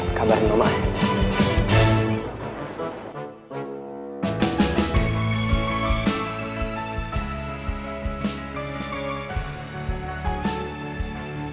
ini kabar baik banget nih